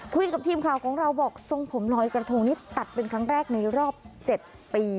คุยกับทีมข่าวของเราบอกทรงผมลอยกระทงนี่ตัดเป็นครั้งแรกในรอบ๗ปี